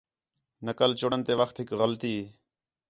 نقل چُݨن تے وخت ہِک غلطی